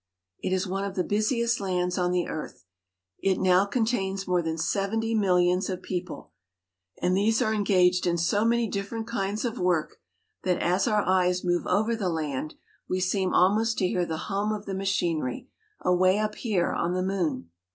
It is one. of the busiest lands on the earth. It now con tains more than seventy millions of people, and these are engaged in so many different kinds of work that, as our eyes move over the land, we seem almost to hear the hum of the machinery, away up here on the moon.